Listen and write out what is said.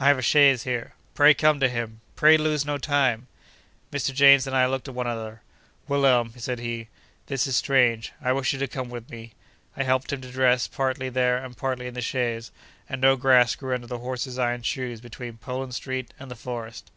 I have a chaise here. Pray come to him. Pray lose no time.' Mr. James and I looked at one another. 'Wilhelm,' said he, 'this is strange. I wish you to come with me!' I helped him to dress, partly there and partly in the chaise; and no grass grew under the horses' iron shoes between Poland Street and the Forest.